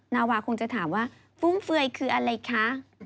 นาวาคงจะถามว่าฟุ่มเฟือยคืออะไรคะ